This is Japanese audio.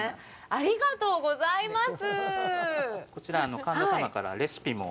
ありがとうございます。